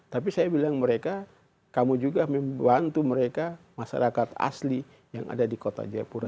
tapi saya bilang mereka kamu juga membantu mereka masyarakat asli yang ada di kota jayapura